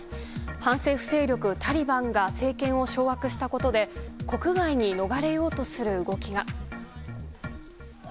反政府勢力タリバンが政権を掌握したことで国外に逃れようとする動きが。